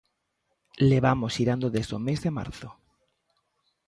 Levamos xirando desde o mes de marzo.